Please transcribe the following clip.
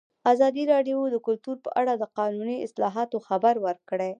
ازادي راډیو د کلتور په اړه د قانوني اصلاحاتو خبر ورکړی.